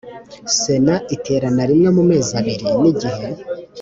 Sena iterana rimwe mu mezi abiri n igihe